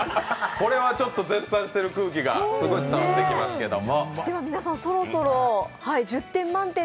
これは絶賛している空気がすごい伝わってきますけれども。